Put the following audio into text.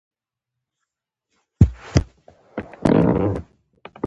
خو ځول یې په قفس کي وزرونه